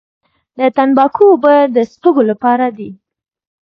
د تنباکو اوبه د سپږو لپاره دي؟